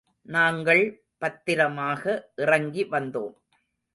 நாங்கள் பத்திரமாக இறங்கி வந்தோம்.